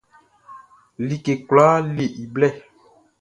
Like kwlaa le i blɛ.